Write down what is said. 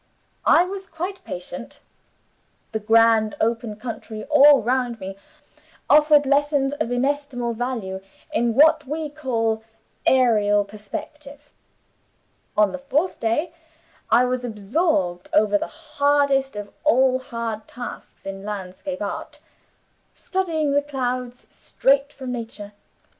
I was quite patient; the grand open country all round me offered lessons of inestimable value in what we call aerial perspective. On the fourth day, I was absorbed over the hardest of all hard tasks in landscape art, studying the clouds straight from Nature.